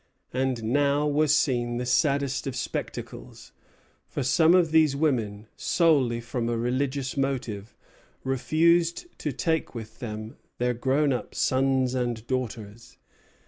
And now was seen the saddest of spectacles; for some of these women, solely from a religious motive, refused to take with them their grown up sons and daughters."